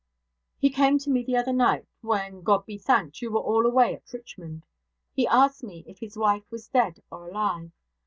'He came to me the other night, when God be thanked! you were all away at Richmond. He asked me if his wife was dead or alive.